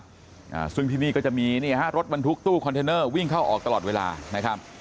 อ่าซึ่งที่นี่ก็จะมีเนี่ยฮะรถบรรทุกตู้คอนเทนเนอร์วิ่งเข้าออกตลอดเวลานะครับ